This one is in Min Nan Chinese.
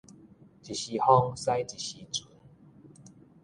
一時風駛一時船